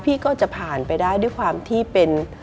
พี่ก็จะผ่านไปได้ด้วยความที่เป็น